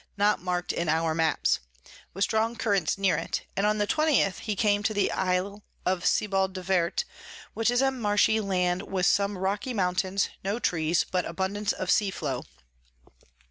not mark'd in our Maps, with strong Currents near it; and on the 20_th_ he came to the Isle of Sebald de Wert, which is a marshy Land with some rocky Mountains, no Trees, but abundance of Sea Flow.